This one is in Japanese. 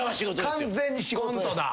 完全に仕事です。